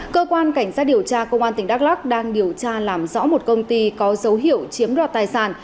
cơ quan cảnh sát điều tra công an tỉnh đắk lắc đang điều tra làm rõ một công ty có dấu hiệu chiếm đoạt tài sản